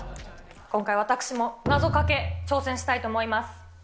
今回、私も謎かけ、挑戦したいと思います。